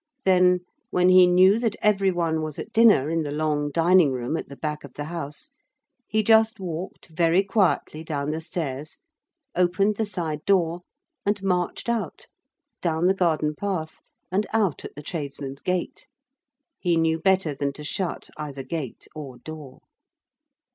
Then when he knew that every one was at dinner in the long dining room at the back of the house, he just walked very quietly down the stairs, opened the side door and marched out, down the garden path and out at the tradesmen's gate. He knew better than to shut either gate or door.